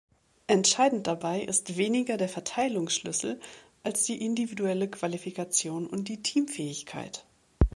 Entscheidend dabei ist weniger der Verteilungsschlüssel, als die individuelle Qualifikation und die Teamfähigkeit.